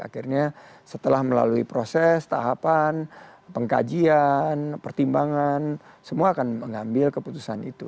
akhirnya setelah melalui proses tahapan pengkajian pertimbangan semua akan mengambil keputusan itu